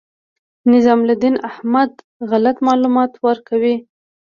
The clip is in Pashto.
نظام الدین احمد غلط معلومات ورکوي.